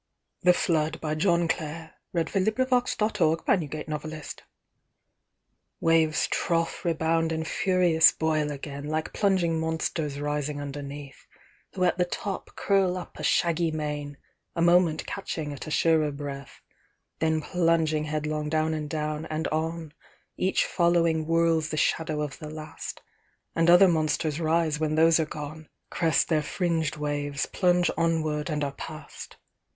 dews of morn, Lies safely, with the leveret, in the corn. The Flood Waves trough, rebound, and furious boil again, Like plunging monsters rising underneath, Who at the top curl up a shaggy mane, A moment catching at a surer breath, Then plunging headlong down and down, and on Each following whirls the shadow of the last; And other monsters rise when those are gone, Crest their fringed waves, plunge onward and are past.